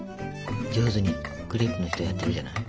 上手にクレープの人やってるじゃない？